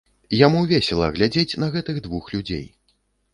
Яму весела глядзець на гэтых двух людзей.